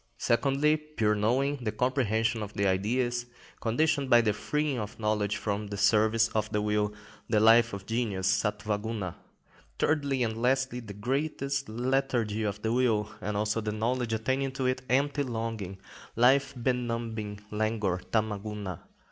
Secondly, pure knowing, the comprehension of the Ideas, conditioned by the freeing of knowledge from the service of will: the life of genius (Satwa Guna). Thirdly and lastly, the greatest lethargy of the will, and also of the knowledge attaching to it, empty longing, life benumbing languor (Tama Guna).